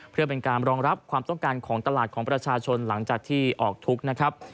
เพื่อเป็นการรองรับความต้องการของตลาดของประชาชนหลังจากที่ออกทุกข์นะครับ